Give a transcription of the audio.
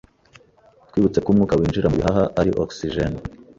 Twibutse ko umwuka winjira mu bihaha ari oxygene